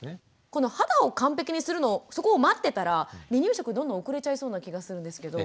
この肌を完璧にするのをそこを待ってたら離乳食どんどん遅れちゃいそうな気がするんですけど。